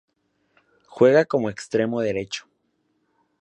Juega como extremo derecho.